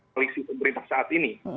koleksi pemerintah saat ini